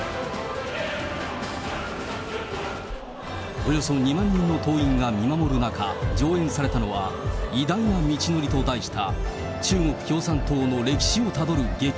およそ２万人の党員が見守る中、上演されたのは、偉大な道のりと題した中国共産党の歴史をたどる劇。